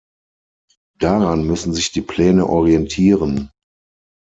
Daran müssen sich die Pläne orientieren.